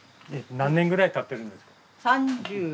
何年ぐらいたってるんですか？